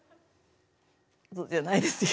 じゃないですよ